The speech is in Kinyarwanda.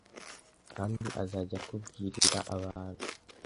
Kandi azajya akubwirira abantu